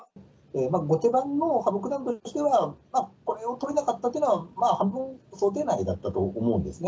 後手番の羽生九段としては、これをとれなかったっていうのは、まあ半分想定内だったと思うんですね。